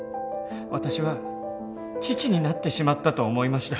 私は父になってしまったと思いました。